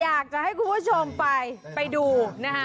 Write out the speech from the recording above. อยากจะให้คุณผู้ชมไปไปดูนะฮะ